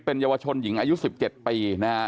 เป็นเยาวชนหญิงอายุ๑๗ปี